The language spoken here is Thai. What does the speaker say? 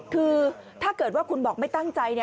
คือถ้าเกิดว่าคุณบอกไม่ตั้งใจ